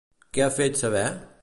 Què ha fet saber?